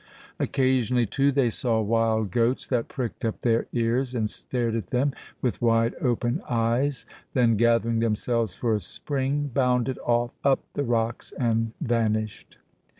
Occasionally, too, they saw wild goats that pricked up their ears and stared at them with wide open eyes, then gathering themselves for a spring bounded off up the rocks and vanished.